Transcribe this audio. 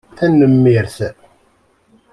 Tanemmirt.